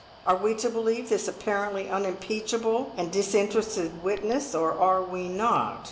Are we to believe this apparently unimpeachable and disinterested witness, or are we not?